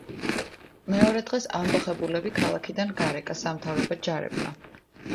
მეორე დღეს ამბოხებულები ქალაქიდან გარეკა სამთავრობო ჯარებმა.